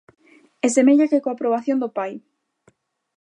E semella que coa aprobación do pai.